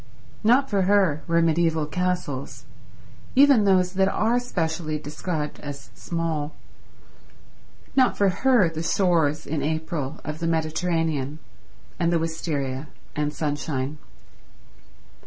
Not for her were mediaeval castles, even those that are specially described as small. Not for her the shores in April of the Mediterranean, and the wisteria and sunshine.